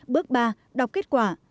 bước ba đọc kết quả